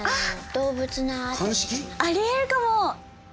ありえるかも！